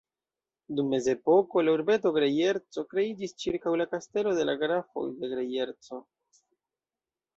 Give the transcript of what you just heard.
Dum mezepoko la urbeto Grejerco kreiĝis ĉirkaŭ la kastelo de la Grafoj de Grejerco.